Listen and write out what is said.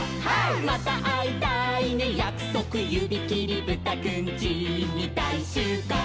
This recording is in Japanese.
「またあいたいねやくそくゆびきり」「ブタくんちにだいしゅうごう！」